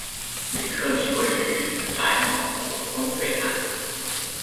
吕特里位于莱芒湖东北岸。